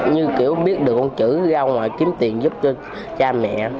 như kiểu biết được con chữ ra ông kiếm tiền giúp cho cha mẹ